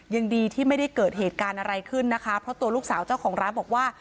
ยังดีที่ไม่ได้เกิดเหตุการณ์อะไรขึ้นนะคะเพราะตัวลูกสาวเจ้าของร้านบอกว่า